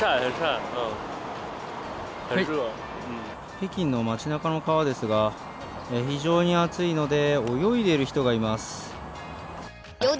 北京の街なかの川ですが非常に暑いので泳いでいる人がいます。